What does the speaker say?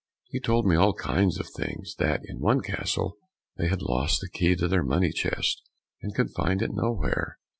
He told me all kinds of things that in one castle they had lost the key of their money chest, and could find it nowhere."